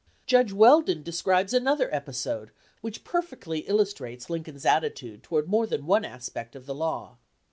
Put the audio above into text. Judge Weldon describes another episode which perfectly illustrates Lincoln's attitude to ward more than one aspect of the law.